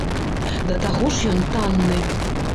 Да таго ж ён танны.